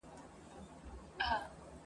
دی شاهد زموږ د وصال دی تر هغه چي زه او ته یو ,